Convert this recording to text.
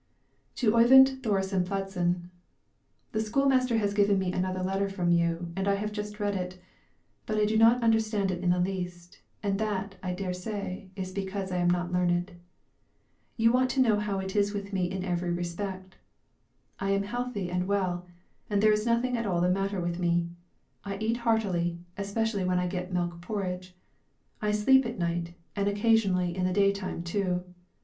TO OYVIND THORESEN PLADSEN: The school master has given me another letter from you, and I have just read it, but I do not understand it in the least, and that, I dare say, is because I am not learned. You want to know how it is with me in every respect; and I am healthy and well, and there is nothing at all the matter with me. I eat heartily, especially when I get milk porridge. I sleep at night, and occasionally in the day time too.